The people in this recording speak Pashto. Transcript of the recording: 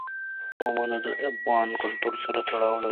قومونه د افغان کلتور سره تړاو لري.